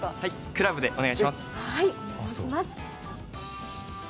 クラブでお願いします。